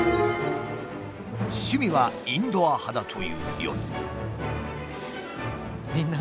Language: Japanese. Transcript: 趣味はインドア派だという４人。